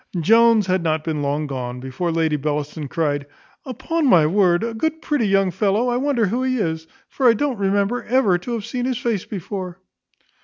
Jones had not been long gone, before Lady Bellaston cryed, "Upon my word, a good pretty young fellow; I wonder who he is; for I don't remember ever to have seen his face before."